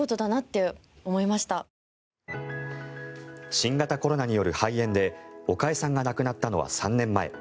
新型コロナによる肺炎で岡江さんが亡くなったのは３年前。